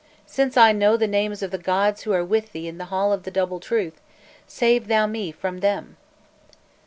Since I know the names of the gods who are with thee in the Hall of the Double Truth, save thou me from them!"